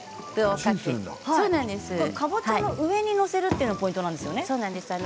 かぼちゃの上で載せるのがポイントなんですよね。